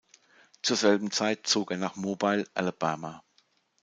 Zur selben Zeit zog er nach Mobile, Alabama.